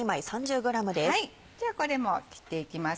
じゃあこれも切っていきます